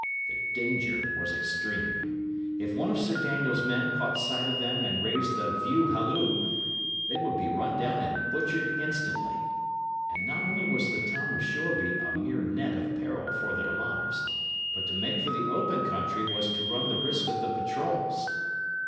The danger was extreme. If one of Sir Daniel's men caught sight of them and raised the view hallo, they would be run down and butchered instantly. And not only was the town of Shoreby a mere net of peril for their lives, but to make for the open country was to run the risk of the patrols.